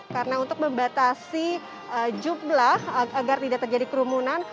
karena untuk membatasi jumlah agar tidak terjadi kerumunan